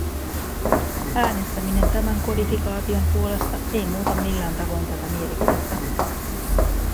Äänestäminen tämän kodifikaation puolesta ei muuta millään tavoin tätä mielipidettä.